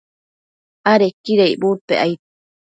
adequida icbudpec aid